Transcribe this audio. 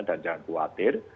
dan jangan khawatir